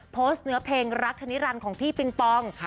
โพสต์เนื้อเพลงรักธนิรันดิ์ของพี่ปิงปอง